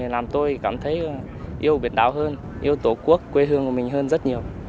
làm tôi cảm thấy yêu biển đảo hơn yêu tổ quốc quê hương của mình hơn rất nhiều